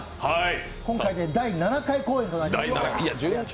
今回、第７回公演となります。